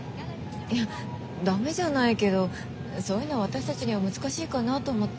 いやダメじゃないけどそういうの私たちには難しいかなと思って。